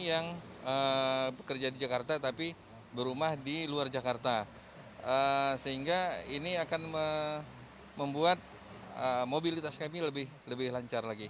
yang bekerja di jakarta tapi berumah di luar jakarta sehingga ini akan membuat mobilitas kami lebih lancar lagi